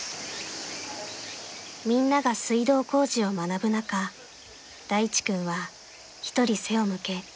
［みんなが水道工事を学ぶ中大地君は一人背を向け］